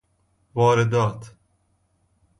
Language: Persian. واردات